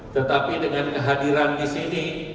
tetapi dengan kehadiran di sini